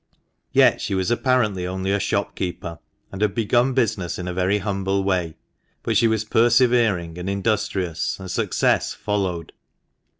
Yet she was apparently only a shop keeper, and had begun business in a very humble way ; but she was persevering and industrious, and success followed.